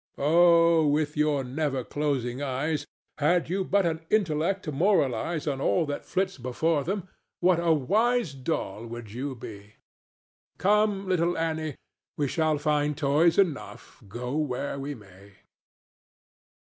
Oh, with your never closing eyes, had you but an intellect to moralize on all that flits before them, what a wise doll would you be!—Come, little Annie, we shall find toys enough, go where we may.